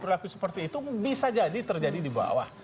perilaku seperti itu bisa jadi terjadi di bawah